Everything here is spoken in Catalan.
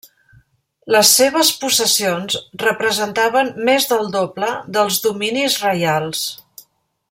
Les seves possessions representaven més del doble dels dominis reials.